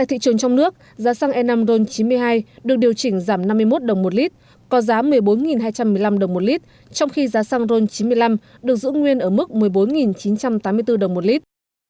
trong khi giá xăng ron chín mươi năm được giữ nguyên ở mức một mươi bốn chín trăm tám mươi bốn đồng một lít